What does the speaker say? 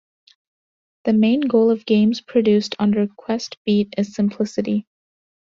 The main goal of games produced under Quest Beat is simplicity.